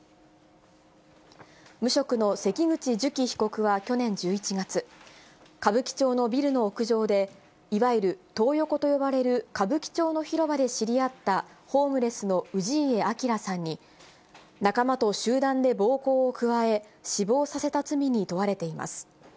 無職の関口寿喜被告は去年１１月、歌舞伎町のビルの屋上で、いわゆるトー横と呼ばれる歌舞伎町の広場で知り合った、ホームレスの氏家彰さんに、仲間と集団で暴行を加え、死亡させた罪に問われています。